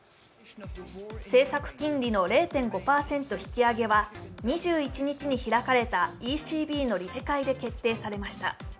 政策金利の０．５％引き上げは２１日に開かれたＥＣＢの理事会で決定されました。